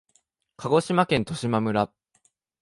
鹿児島県十島村